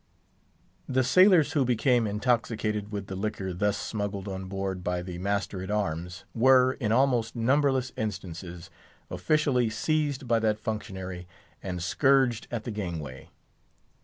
The sailors who became intoxicated with the liquor thus smuggled on board by the master at arms, were, in almost numberless instances, officially seized by that functionary and scourged at the gangway.